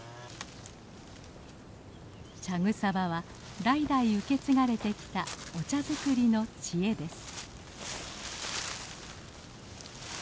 茶草場は代々受け継がれてきたお茶作りの知恵です。